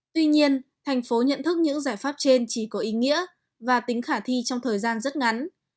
tuy nhiên thành phố nhận thức những giải pháp trên chỉ có ý nghĩa và tính khả thi trong thời gian rất ngắn